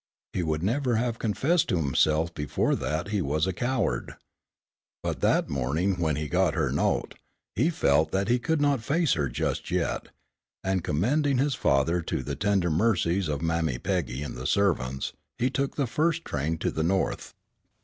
He would never have confessed to himself before that he was a coward. But that morning when he got her note, he felt that he could not face her just yet, and commending his father to the tender mercies of Mammy Peggy and the servants, he took the first train to the north.